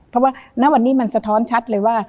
เพราะว่าณวันนี้มันสะท้อนชัดเลยว่า